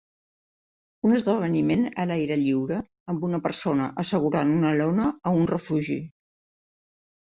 Un esdeveniment a l'aire lliure amb una persona assegurant una lona a un refugi.